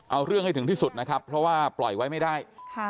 เอาเรื่องให้ถึงที่สุดนะครับเพราะว่าปล่อยไว้ไม่ได้